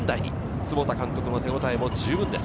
坪田監督の手応えも十分です。